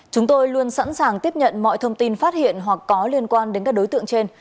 chúng tôi luôn sẵn sàng tiếp nhận mọi thông tin phát hiện hoặc có liên quan đến các đối tượng trên